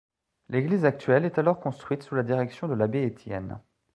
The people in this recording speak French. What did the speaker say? L’église actuelle est alors construite sous la direction de l’Abbé Étienne.